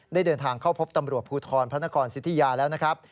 ได้เดินทางเข้าพบตำรวจภูทรพระนครสิทธิยาแล้วนะครับ